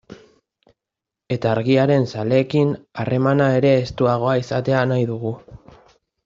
Eta Argiaren zaleekin harremana ere estuagoa izatea nahi dugu.